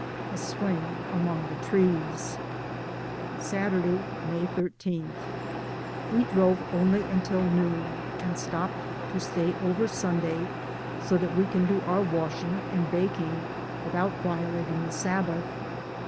A SWING AMONG THE TREES. Saturday, May 13. We drove only until noon, and stopped to stay over Sunday, so that we can do our washing and baking, without violating the Sabbath.